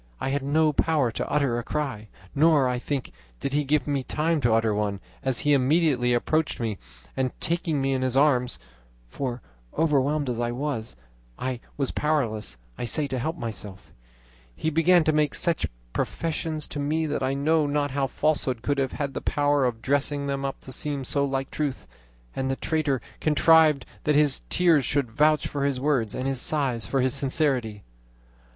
I had no power to utter a cry, nor, I think, did he give me time to utter one, as he immediately approached me, and taking me in his arms (for, overwhelmed as I was, I was powerless, I say, to help myself), he began to make such professions to me that I know not how falsehood could have had the power of dressing them up to seem so like truth; and the traitor contrived that his tears should vouch for his words, and his sighs for his sincerity.